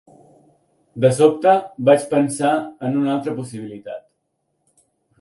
De sobte, vaig pensar en una altra possibilitat.